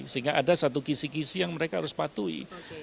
sehingga ada satu kisi kisi yang mereka harus patuhi